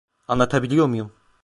Anlatabiliyor muyum?